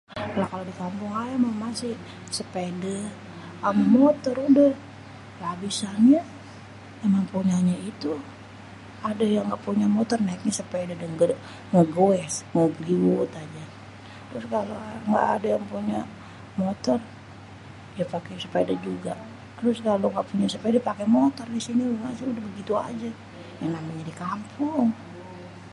lah kalo dikampung ayê mêh masih sepedê amê motor udêh, lah abisanyê, emang punya nyê ituh, adê yang ga punya motor naêknyê sepedê ngêgoês, ngegoes ngegeliwet ajê, trus kalo ga adê yang ga punya motor, ya pakê sepede juga abisnye kalo gapunya sepede pakenye motor di sono mêh masih gitu ajê, yang namenyê dikampung.